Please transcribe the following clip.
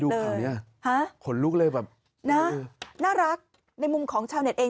ข่าวนี้ขนลุกเลยแบบนะน่ารักในมุมของชาวเน็ตเอง